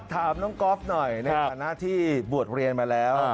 ถามน้องก๊อฟหน่อยในฐานะที่บวชเรียนมาแล้ว